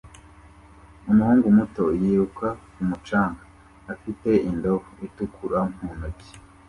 umuhungu muto yiruka ku mucanga afite indobo itukura mu ntoki